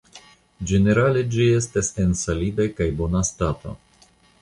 Ĝenerale ĝi estas en solida kaj bona stato.